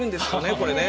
これね。